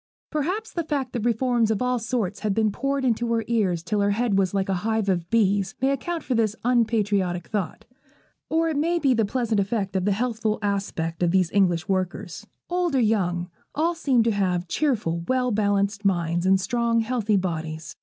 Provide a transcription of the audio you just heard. Perhaps the fact that reforms of all sorts had been poured into her ears till her head was like a hive of bees, may account for this unpatriotic thought. Or it may be the pleasant effect of the healthful aspect of these English workers. Old or young, all seemed to have cheerful, well balanced minds, in strong, healthy bodies.